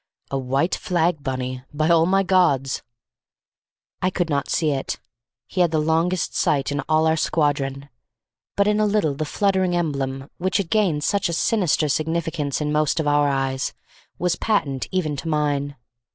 "A white flag, Bunny, by all my gods!" I could not see it; he had the longest sight in all our squadron; but in a little the fluttering emblem, which had gained such a sinister significance in most of our eyes, was patent even to mine.